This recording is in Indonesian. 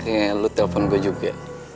akhirnya lo telpon gue juga